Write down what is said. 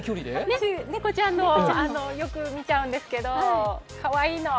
私、猫ちゃんの、よく見ちゃうんですけど、かわいいの。